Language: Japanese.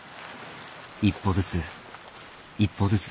一歩ずつ一歩ずつ。